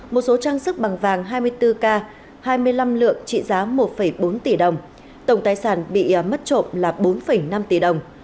một số trang sức bằng vàng hai mươi bốn k hai mươi năm lượng trị giá một bốn tỷ đồng tổng tài sản bị mất trộm là bốn năm tỷ đồng